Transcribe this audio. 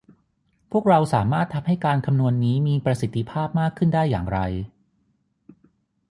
พวกเราสามารถทำให้การคำนวณนี้มีประสิทธิภาพมากขึ้นได้อย่างไร